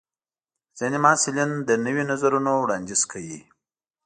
ځینې محصلین د نویو نظرونو وړاندیز کوي.